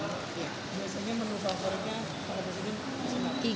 biasanya menurut favoritnya apa yang harus diberikan